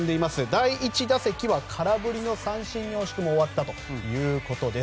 第１打席は空振りの三振に、惜しくも終わったということです。